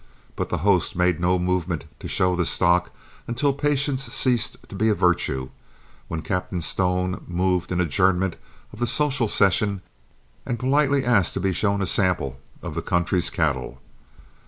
But the host made no movement to show the stock until patience ceased to be a virtue, when Captain Stone moved an adjournment of the social session and politely asked to be shown a sample of the country's cattle.